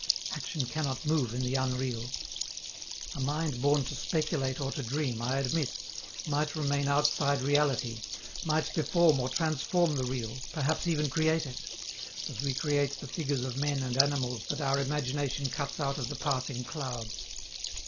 Action cannot move in the unreal. A mind born to speculate or to dream, I admit, might remain outside reality, might deform or transform the real, perhaps even create it as we create the figures of men and animals that our imagination cuts out of the passing cloud.